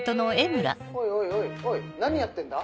おいおいおい何やってんだ？